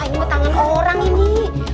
ini tangan orang ini